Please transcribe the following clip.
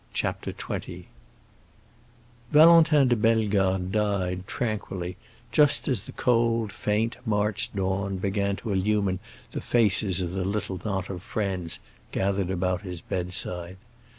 CHAPTER XX Valentin de Bellegarde died tranquilly, just as the cold faint March dawn began to illumine the faces of the little knot of friends gathered about his bedside.